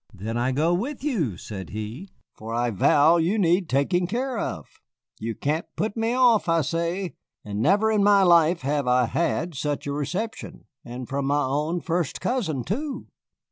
"Then I go with you," said he, "for I vow you need taking care of. You can't put me off, I say. But never in my life have I had such a reception, and from my own first cousin, too."